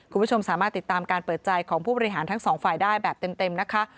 คุณผู้ชมสามารถติดตามการเปิดใจของผู้บริหารทั้งสองฝ่ายได้แบบเต็มนะคะ